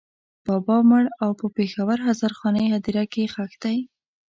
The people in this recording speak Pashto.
بابا مړ او په پېښور هزارخانۍ هدېره کې ښخ دی.